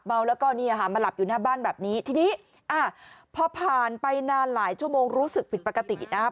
แล้วก็เนี่ยค่ะมาหลับอยู่หน้าบ้านแบบนี้ทีนี้อ่าพอผ่านไปนานหลายชั่วโมงรู้สึกผิดปกตินะครับ